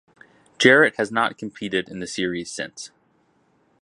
Jarrett has not competed in the series since.